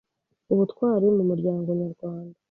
ubutwari mu muryango nyarwanda.